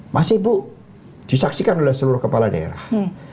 masih bu disaksikan oleh seluruh kepala daerah